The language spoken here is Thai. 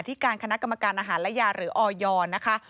ที่การคณะกรรมการอาหารและยาหรือออยนะคะ